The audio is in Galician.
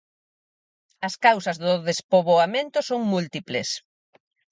As causas do despoboamento son múltiples.